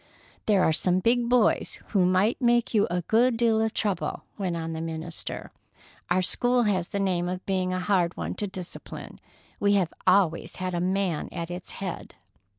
"There are some big boys who might make you a good deal of trouble," went on the minister. "Our school has the name of being a hard one to discipline. We have always had a man at its head."